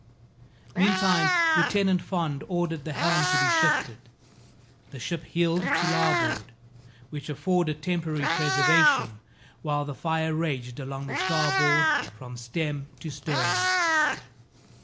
Meantime Lieutenant Fond ordered the helm to be shifted. The ship heeled to larboard, which afforded a temporary preservation, while the fire raged along the starboard from stem to stern.